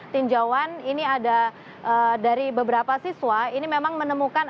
tinjauan ini ada dari beberapa siswa ini memang menemukan